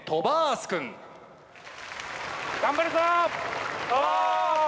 頑張るぞ！